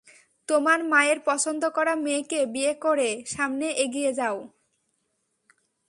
তোমার মায়ের পছন্দ করা মেয়েকে বিয়ে করে, সামনে এগিয়ে যাও।